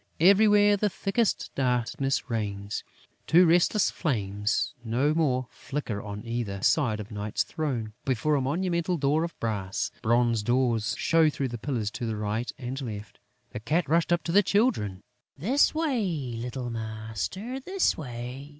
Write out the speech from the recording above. Everywhere, the thickest darkness reigns. Two restless flames no more flicker on either side of Night's throne, before a monumental door of brass. Bronze doors show through the pillars to the right and left. The Cat rushed up to the Children: "This way, little master, this way!...